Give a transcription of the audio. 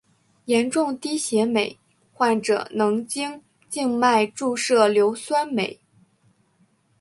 严重低血镁患者能经静脉注射硫酸镁。